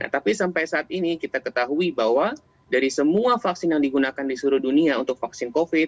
tapi sampai saat ini kita ketahui bahwa dari semua vaksin yang digunakan di seluruh dunia untuk vaksin covid